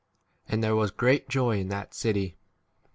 And there was great joy in that city.